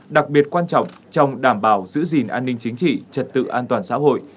đặc biệt quan trọng trong đảm bảo giữ gìn an ninh chính trị trật tự an toàn xã hội